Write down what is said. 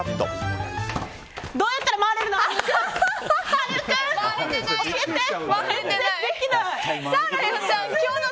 どうやったら回れるの？